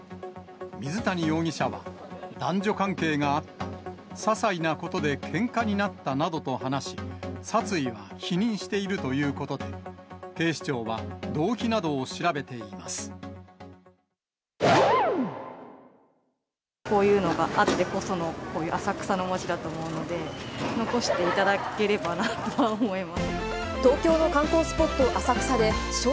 水谷容疑者は、男女関係があった、ささいなことでけんかになったなどと話し、殺意は否認しているということで、こういうのがあってこその、こういう浅草の町だと思うので、残していただければなとは思いま